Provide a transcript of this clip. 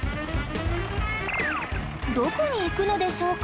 どこに行くのでしょうか？